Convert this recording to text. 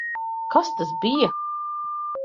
Kas tas bija?